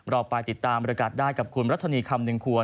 เราไปติดตามบริการได้กับคุณรัชนีคำหนึ่งควร